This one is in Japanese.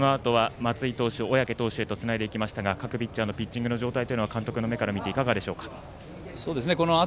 そのあとは松井投手小宅投手とつないでいきましたが各ピッチャーのコンディションは監督の目から見てどうでしょうか。